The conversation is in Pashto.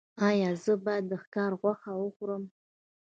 ایا زه باید د ښکار غوښه وخورم؟